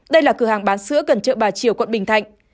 đây là cửa hàng bán sữa gần chợ bà triều quận bình thạnh